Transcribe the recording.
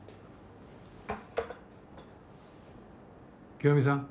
清美さん。